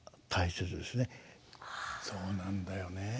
そうなんだよね。